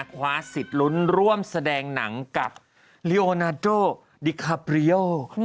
คว้าสิทธิ์ลุ้นร่วมแสดงหนังกับลีโอนาโดดิคาปริยโอ